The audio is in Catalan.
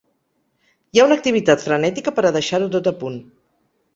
Hi ha una activitat frenètica per a deixar-ho tot a punt.